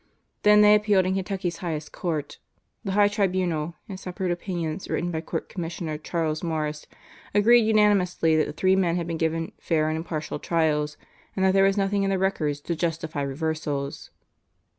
Then they appealed to Kentucky's highest court. The high tribunal, in separate opinions written by Court Commissioner Charles Morris agreed unanimously that the three men had been given 'fair and impartial trials' and that there was nothing in the records to justify reversals."